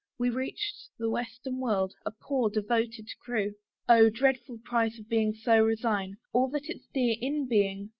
We reached the western world, a poor, devoted crew. Oh! dreadful price of being to resign All that is dear in being!